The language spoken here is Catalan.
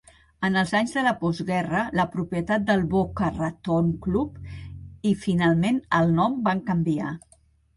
En els anys de la postguerra, la propietat del Boca Raton Club i finalment el nom van canviar.